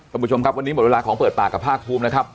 คุณผู้ชมครับวันนี้หมดเวลาของเปิดปากกับภาคภูมินะครับ